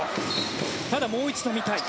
ただもう一度見たい。